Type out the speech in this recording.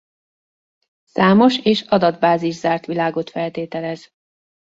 Számos és adatbázis zárt világot feltételez.